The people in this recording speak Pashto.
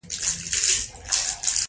مهمې نظریې موډل او پیژندل کیږي.